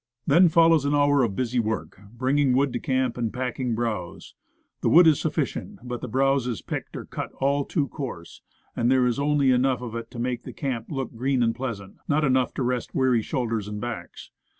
Then follows an hour of busy work, bringing wood to camp and picking browse. The wood is sufficient; but the brows is picked, or cut, all too coarse, and there is only enough of it to make the camp look green and pleasant not enough to rest weary shoulders and backs.